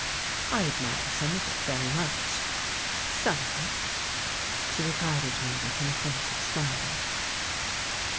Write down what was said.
"I admire some of it very much." "Some of it?" She regarded me with an of fensive smile.